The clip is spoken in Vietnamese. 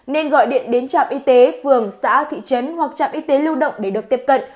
nên gọi điện đến trạm y tế phường xã thị trấn hoặc trạm y tế lưu động để được tiếp cận